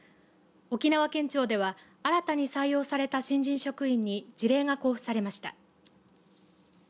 沖縄県庁では新たに採用された新人職員に辞令が交付されました。